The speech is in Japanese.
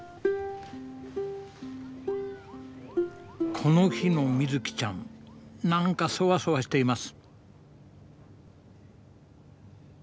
この日のみずきちゃん何かそわそわしています。